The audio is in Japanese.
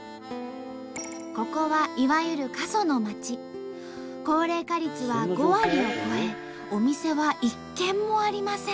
ここはいわゆる高齢化率は５割を超えお店は一軒もありません。